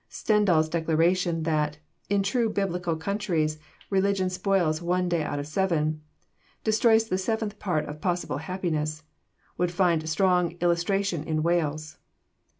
Stendhal's declaration that, in true Biblical countries, religion spoils one day out of seven, destroys the seventh part of possible happiness, would find strong illustration in Wales.